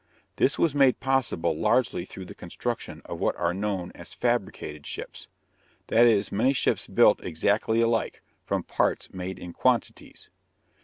This was made possible largely through the construction of what are known as "fabricated ships"; that is, many ships built exactly alike, from parts made in quantities.